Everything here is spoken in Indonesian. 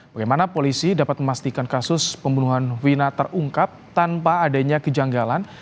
bagaimana polisi dapat memastikan kasus pembunuhan wina terungkap tanpa adanya kejanggalan